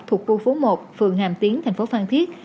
thuộc khu phố một phường hàm tiến thành phố phan thiết